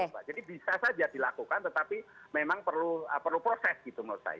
jadi bisa saja dilakukan tetapi memang perlu proses gitu menurut saya